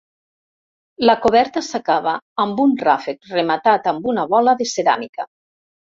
La coberta s'acaba amb un ràfec rematat amb una bola de ceràmica.